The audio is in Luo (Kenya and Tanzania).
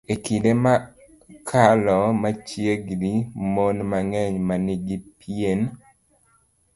E kinde mokalo machiegni, mon mang'eny ma nigi pien